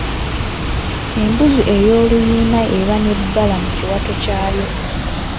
Embuzi ey'oluyina eba n'ebbala mu kiwato kyayo.